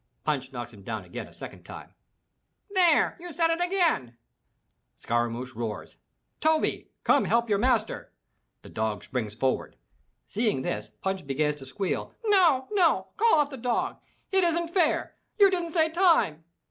" Punch knocks him down a second time. "There you said it again!" 442 THROUGH FAIRY HALLS Scaramouch roars, 'Toby, come help your master." The dog springs forward. Seeing this Punch begins to squeal, "No, no! Call off the dog! It isn't fair! You didn't say Time!'